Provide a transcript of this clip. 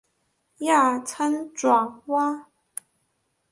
亚参爪哇。